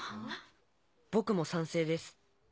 僕も賛成です。